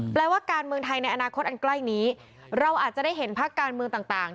แปลว่าการเมืองไทยในอนาคตอันใกล้นี้เราอาจจะได้เห็นภาคการเมืองต่าง